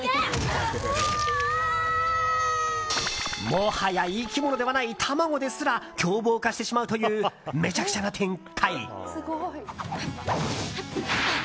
もはや生き物ではない卵ですら凶暴化してしまうというめちゃくちゃな展開。